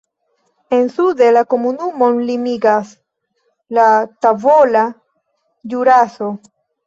En sude la komunumon limigas la Tavola Ĵuraso.